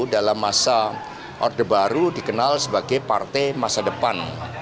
dalam masa orde baru dikenal sebagai partai masa depan